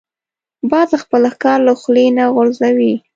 باز خپل ښکار له خولې نه غورځوي